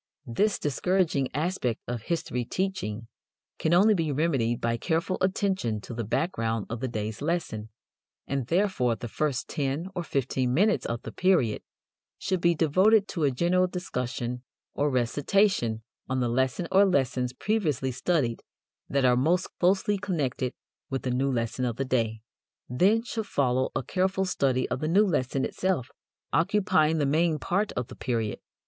This discouraging aspect of history teaching can only be remedied by careful attention to the background of the day's lesson, and therefore the first ten or fifteen minutes of the period should be devoted to a general discussion or recitation on the lesson or lessons previously studied that are most closely connected with the new lesson of the day. Then should follow a careful study of the new lesson itself, occupying the main part of the period.